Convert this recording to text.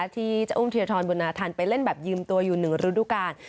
ที่จะอุ้มถือทรนบุญมาทันไปเล่นแบบยืมตัวอยู่หนึ่งฤดูกาล